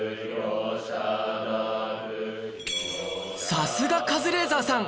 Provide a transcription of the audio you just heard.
さすがカズレーザーさん